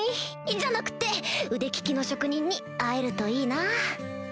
じゃなくて腕利きの職人に会えるといいなぁ！